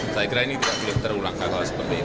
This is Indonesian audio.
saya kira ini tidak boleh terulang kala seperti itu